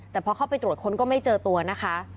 แต่พอเข้าไปตรวจค้นก็ไม่เจอตัวนะคะ